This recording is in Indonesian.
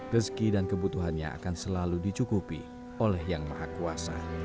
rezeki dan kebutuhannya akan selalu dicukupi oleh yang maha kuasa